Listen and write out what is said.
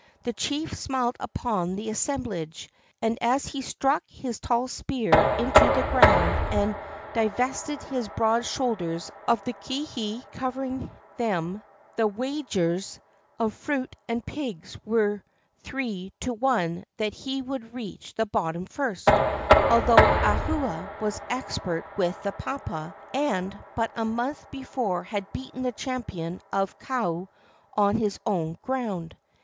The chief smiled upon the assemblage, and as 522 THE VENGEANCE OF THE GODDESS PELE he struck his tall spear into the ground and divested his broad shoulders of the kihei covering them, the wagers of fruit and pigs were three to one that he would reach the bottom first, although Ahua was expert with the papa, and but a month before had beaten the champion of Kau on his own ground.